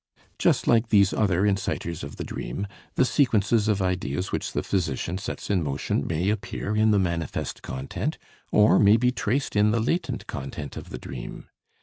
Just like these other incitors of the dream, the sequence of ideas which the physician sets in motion may appear in the manifest content, or may be traced in the latent content of the dream.